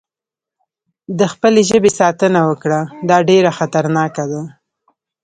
د خپل ژبې ساتنه وکړه، دا ډېره خطرناکه ده.